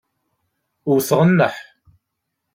Wteɣ nneḥ.